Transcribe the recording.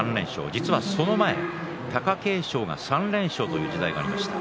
実はその前、貴景勝が３連勝という時代がありました。